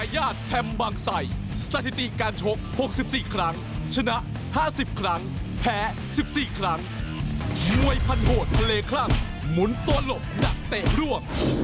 หมุนตัวหลบหนักเตะร่วม